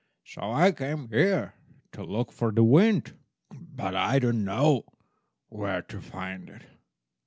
So I came here to look for the wind, but I do not know where to find it."